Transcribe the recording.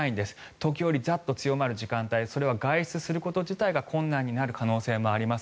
時折、ザッと強まる時間帯外出すること自体が困難になる可能性があります。